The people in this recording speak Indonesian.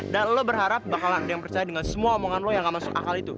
dan lu berharap bakalan ada yang percaya dengan semua omongan lu yang gak masuk akal itu